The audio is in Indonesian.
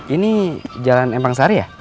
ini jalan empang sari ya